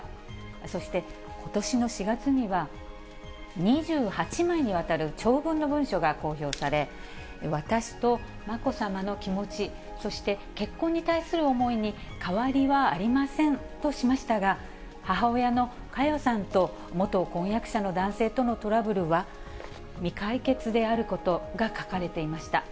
そして、ことしの４月には、２８枚にわたる長文の文書が公表され、私とまこさまの気持ち、そして結婚に対する思いに変わりはありませんとしましたが、母親の佳代さんと元婚約者の男性とのトラブルは、未解決であることが書かれていました。